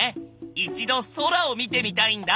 一度空を見てみたいんだ。